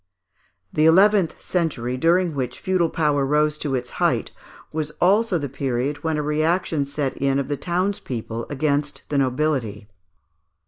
] The eleventh century, during which feudal power rose to its height, was also the period when a reaction set in of the townspeople against the nobility.